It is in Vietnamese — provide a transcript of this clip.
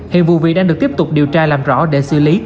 hiện vụ vị đang được tiếp tục điều tra làm rõ để xử lý theo quy định